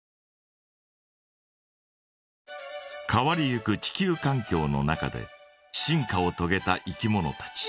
変わりゆく地球かん境の中で進化をとげたいきものたち。